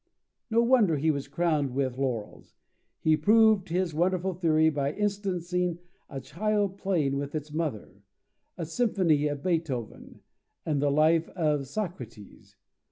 No wonder he was crowned with laurels! He proved his wonderful theory by instancing a child playing with its mother, a symphony of Beethoven, and the life of Socrates!